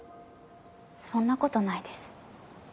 そんな事ないです。